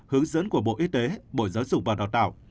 hướng dẫn của bộ y tế bộ giáo dục và đào tạo